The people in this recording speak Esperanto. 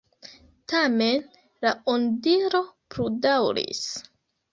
Tamen la onidiro pludaŭris.